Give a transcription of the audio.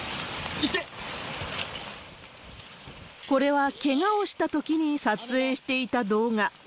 これは、けがをしたときに撮影していた動画。